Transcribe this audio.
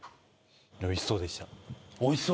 おいしそうでした？